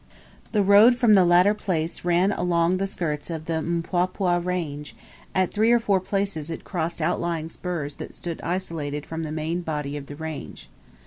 The road from the latter place ran along the skirts of the Mpwapwa range; at three or four places it crossed outlying spurs that stood isolated from the main body of the range.